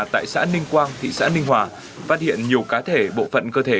tại xã ninh quang thị xã ninh hòa phát hiện nhiều cá thể bộ phận cơ thể